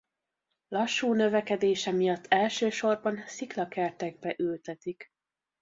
Lassú növekedése miatt elsősorban sziklakertekbe ültetik.